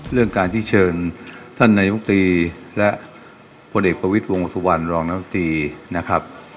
เรื่องการที่เชิญท่านนายกตรีและพลเอกประวิทย์วงสุวรรณรองน้ำตรีนะครับ